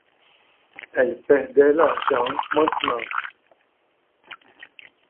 Elle perdait l'argent, maintenant !